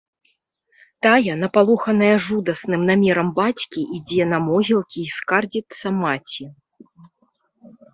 Тая, напалоханая жудасным намерам бацькі, ідзе на могілкі і скардзіцца маці.